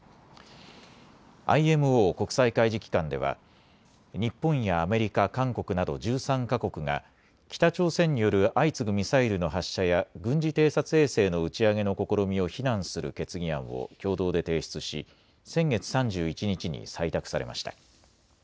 ＩＭＯ・国際海事機関では日本やアメリカ、韓国など１３か国が北朝鮮による相次ぐミサイルの発射や軍事偵察衛星の打ち上げの試みを非難する決議案を共同で提出し先月３１日に採択されました。